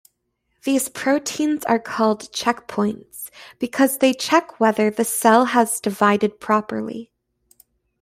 These proteins are called checkpoints, because they check whether the cell has divided properly.